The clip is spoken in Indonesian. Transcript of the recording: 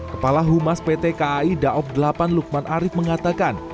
kepala humas pt kai daob delapan lukman arief mengatakan